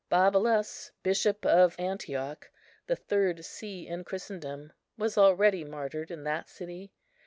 Babylas, Bishop of Antioch, the third see in Christendom, was already martyred in that city.